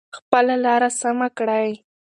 خپله لاره سمه کړئ.